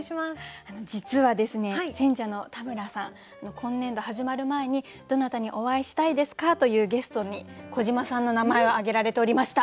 今年度始まる前に「どなたにお会いしたいですか？」というゲストに小島さんの名前を挙げられておりました。